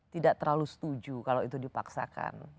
tidak terlalu setuju kalau itu dipaksakan